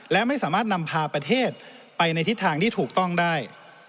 และไม่สามารถนำพาประเทศไปในทิศทางที่ถูกต้องได้